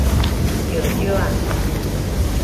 石灼仔